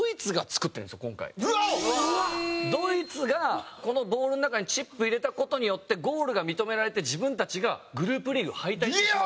ドイツがこのボールの中にチップ入れた事によってゴールが認められて自分たちがグループリーグ敗退してしまう。